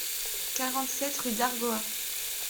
quarante-sept rue d'Argoat